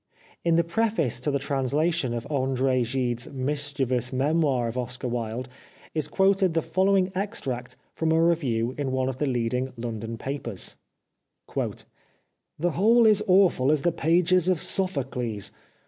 In the preface to the translation of Andre Gide's mischievous memoir of Oscar Wilde is quoted the following extract from a review in one of the leading London papers :—" The whole is awful as the pages of Sophocles.